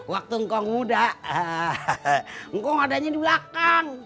waktu ngkong muda ngkong adanya di belakang